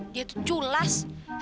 dia itu curah